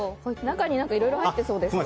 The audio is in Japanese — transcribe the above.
中にいろいろ入ってそうです。